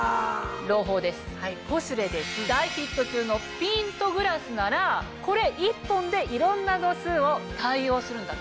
朗報です『ポシュレ』で大ヒット中のピントグラスならこれ１本でいろんな度数を対応するんだって。